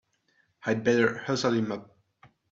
I'd better hustle him up!